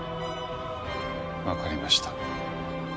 わかりました。